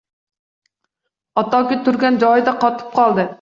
Otoki turgan joyida qotib qoldi